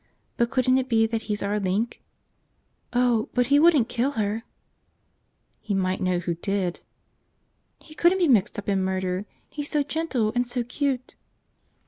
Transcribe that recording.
But couldn't it be that he's our link?" "Oh, but he wouldn't kill her!" "He might know who did." "He couldn't be mixed up in murder! He's so gentle and so cute.